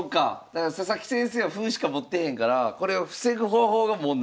だから佐々木先生は歩しか持ってへんからこれを防ぐ方法がもうないという。